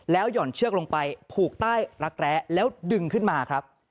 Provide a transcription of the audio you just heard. หย่อนเชือกลงไปผูกใต้รักแร้แล้วดึงขึ้นมาครับ